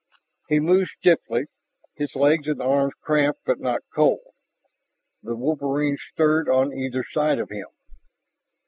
He moved stiffly, his legs and arms cramped but not cold. The wolverines stirred on either side of him.